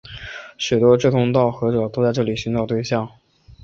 许多志同道合者都在这里寻找对象。